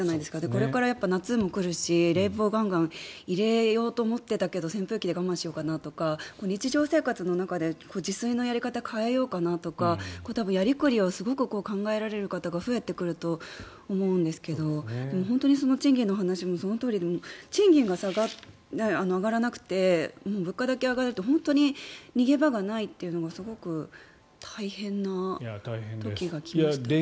これから夏も来るし冷房をガンガン入れようと思ってたけど扇風機で我慢しようかなとか日常生活の中で自炊のやり方を変えようかなとか多分やり繰りをすごく考えられる方が増えてくると思うんですけど本当に賃金の話もそのとおりで賃金が上がらなくて物価だけ上がると本当に逃げ場がないというのがすごく大変な時が来ましたね。